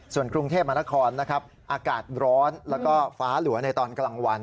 ส่วนกรุงเทพมหานครนะครับอากาศร้อนแล้วก็ฟ้าหลัวในตอนกลางวัน